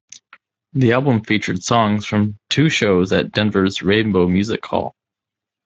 The album featured songs from two shows at Denver's Rainbow Music Hall.